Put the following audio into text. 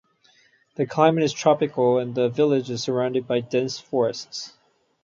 The climate is tropical and the village is surrounded by dense forests.